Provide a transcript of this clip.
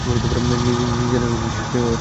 নিজেরাই শিকারী হয়ে উঠে।